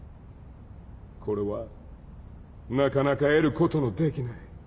これはなかなか得ることのできない貴重な経験。